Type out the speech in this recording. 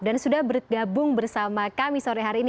dan sudah bergabung bersama kami sore hari ini